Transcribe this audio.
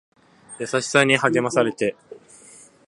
優しさに励まされて